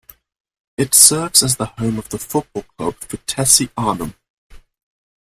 It serves as the home of the football club Vitesse Arnhem.